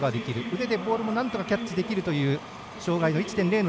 腕でボールをなんとかキャッチできる障がい１．０の